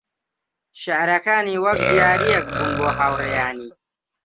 شیعرەکانی وەک دیارییەک بوون بۆ هاوڕێیانی